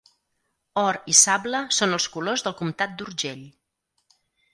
Or i sable són els colors del comtat d'Urgell.